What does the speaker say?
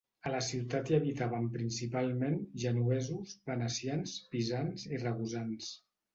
A la ciutat hi habitaven principalment genovesos, venecians, pisans i ragusans.